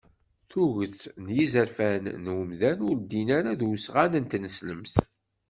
Tuget n yizerfan n wemdan ur ddin ara d usɣan n tneslemt.